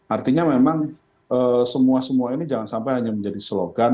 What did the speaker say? artinya memang semua semua ini jangan sampai hanya menjadi slogan